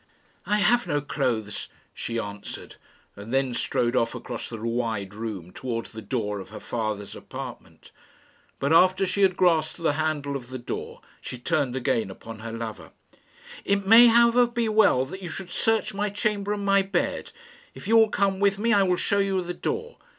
"I have no clothes," she answered, and then strode off across the wide room towards the door of her father's apartment. But after she had grasped the handle of the door, she turned again upon her lover. "It may, however, be well that you should search my chamber and my bed. If you will come with me, I will show you the door.